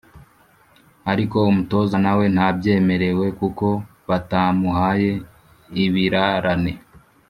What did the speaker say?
ariko umutoza nawe ntabyemerewe kuko batamuhaye ibirarane